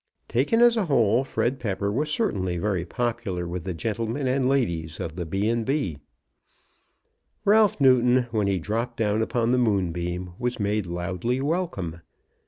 Taken as a whole Fred Pepper was certainly very popular with the gentlemen and ladies of the B. and B. Ralph Newton when he dropped down upon the Moonbeam was made loudly welcome.